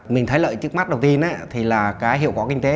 mình thấy lợi trước mắt đầu tiên thì là cái hiệu quả kinh tế